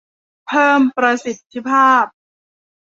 เพิ่มประสิทธิภาพ